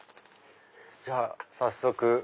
じゃあ早速。